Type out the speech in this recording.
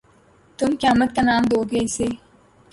تم قیامت کا نام دو گے اِسے